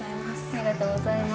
ありがとうございます。